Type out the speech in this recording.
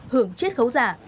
hưởng chết khấu giả